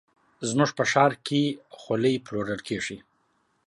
زموږ په ښار کې ښکلې خولۍ پلورل کېږي.